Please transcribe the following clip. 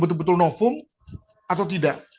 betul betul novum atau tidak